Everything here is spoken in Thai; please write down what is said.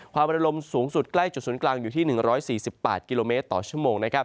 ความระลมสูงสุดใกล้จุดศูนย์กลางอยู่ที่๑๔๘กิโลเมตรต่อชั่วโมง